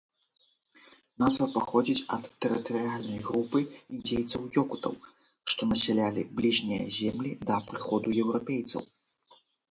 Назва паходзіць ад тэрытарыяльнай групы індзейцаў-ёкутаў, што насялялі бліжнія землі да прыходу еўрапейцаў.